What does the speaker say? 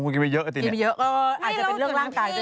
อาจจะเป็นเรื่องร่างกาย